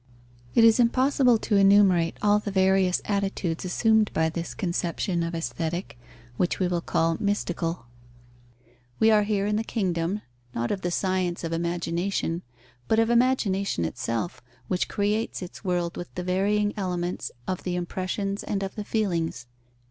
It is impossible to enumerate all the various attitudes assumed by this conception of Aesthetic, which we will call mystical. We are here in the kingdom, not of the science of imagination, but of imagination itself, which creates its world with the varying elements of the impressions and of the feelings.